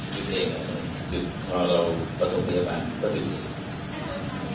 จุดเองคือตอนเราประสงค์พยาบาลก็เป็นอย่างงี้